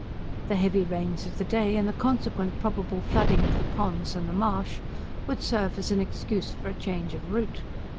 The heavy rains of the day, and the consequent probable flooding of the Ponds and the Marsh, would serve as an excuse for a change of route.